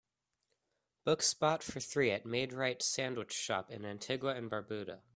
Book spot for three at Maid-Rite Sandwich Shop in Antigua and Barbuda